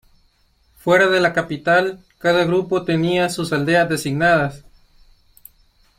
Fuera de la capital, cada grupo tenía sus aldeas designadas.